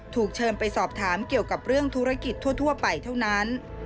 ถูกเชิญไปสอบถามเกี่ยวกับเรื่องธุรกิจทั่วไปเท่านั้น